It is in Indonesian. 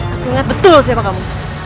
aku ingat betul siapa kamu